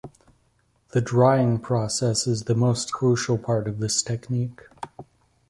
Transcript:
The drying process is the most crucial part of this technique.